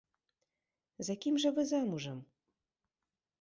За кім жа вы замужам?